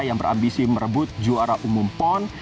terambisi merebut juara umum pon